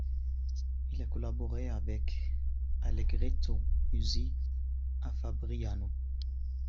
Il a collaboré avec Allegretto Nuzi à Fabriano.